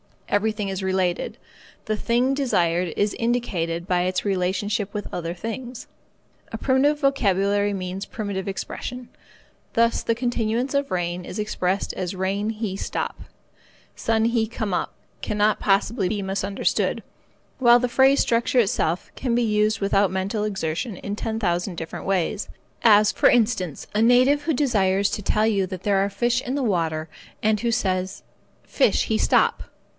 Everything is related. The thing desired is indicated by its relationship with other things. A primitive vocabulary means primitive expression, thus, the continuance of rain is expressed as rain he stop. Sun he come up cannot possibly be misunderstood, while the phrase structure itself can be used without mental exertion in ten thousand different ways, as, for instance, a native who desires to tell you that there are fish in the water and who says fish he stop.